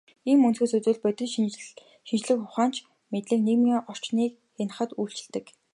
Ийм өнцгөөс үзвэл, бодит шинжлэх ухаанч мэдлэг нийгмийн орчныг хянахад үйлчилдэг.